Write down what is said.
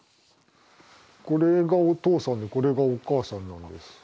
これがお父さんでこれがお母さんなんです。